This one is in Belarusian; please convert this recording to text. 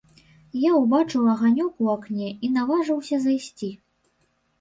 Я ўбачыў аганёк у акне і наважыўся зайсці.